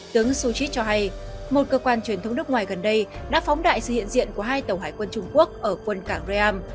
tướng su chit cho hay một cơ quan truyền thống nước ngoài gần đây đã phóng đại sự hiện diện của hai tàu hải quân trung quốc ở quân cảng ream